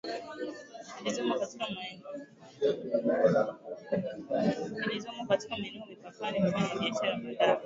zilizomo katika maeneo mipakani kufanya biashara badala